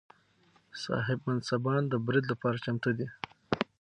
صاحب منصبان د برید لپاره چمتو دي.